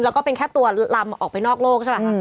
แล้วก็เป็นแค่ตัวลำออกไปนอกโลกใช่ไหมคะ